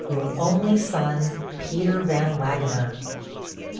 'Your only son, 'PETER VAN WAGENER.'